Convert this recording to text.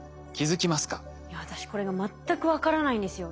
いや私これが全く分からないんですよ。